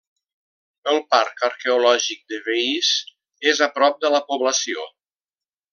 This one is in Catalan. El parc arqueològic de Veïs és a prop de la població.